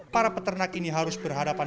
para peternak ini harus berhadapan